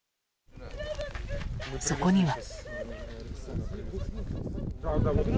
そこには。